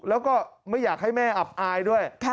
แล้วก็ไม่อยากให้แม่อับอายด้วย